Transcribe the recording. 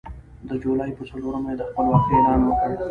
د جولای په څلورمه یې د خپلواکۍ اعلان وکړ.